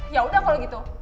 ya udah kalau gitu